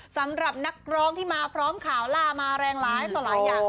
สำหรับนักร้องที่มาพร้อมข่าวล่ามาแรงร้ายต่อหลายอย่าง